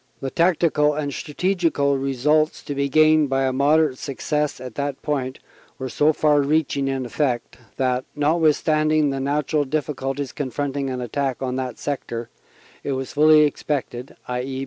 The tactical and strategical results to be gained by a moderate success at that point were so far reaching in effect that, notwithstanding the natural difficulties confronting an attack on that sector, it was fully expected (i.e.